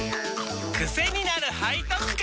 クセになる背徳感！